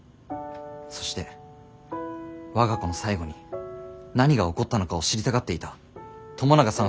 そして「我が子の最期に何が起こったのか」を知りたがっていた友永さん